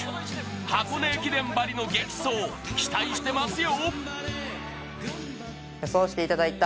箱根駅伝ばりの激走期待していますよ。